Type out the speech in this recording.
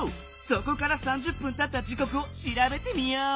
そこから３０分たった時こくをしらべてみよう。